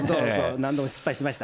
何度も失敗しました。